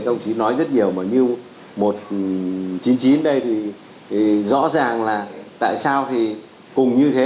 các bộ phận chức nói rất nhiều mà như một chính trí ở đây thì rõ ràng là tại sao thì cùng như thế